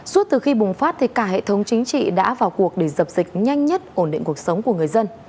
suốt từ khi bùng phát thì cả hệ thống chính trị đã vào cuộc để dập dịch nhanh nhất ổn định cuộc sống của người dân